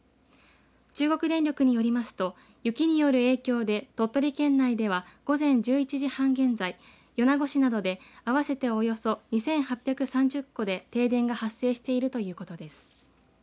中国電力によりますと雪による影響で、鳥取県内では午前１１時半現在、米子市などで合わせておよそ２８３０戸で停電が発生しているということです。